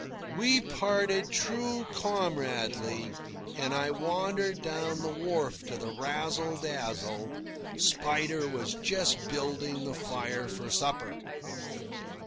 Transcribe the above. We parted true comradely, and I wandered down the wharf to the Razzle Dazzle. Spider was just building the fire for supper.